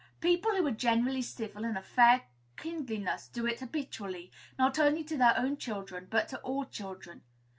People who are generally civil and of fair kindliness do it habitually, not only to their own children, but to all children.